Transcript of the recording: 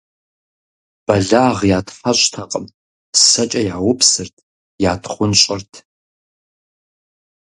Бэлагъ ятхьэщӀтэкъым; сэкӀэ яупсырт, ятхъунщӀырт.